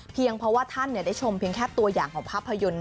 เพราะว่าท่านได้ชมเพียงแค่ตัวอย่างของภาพยนตร์